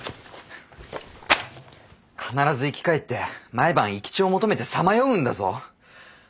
必ず生き返って毎晩生き血を求めてさまようんだぞ。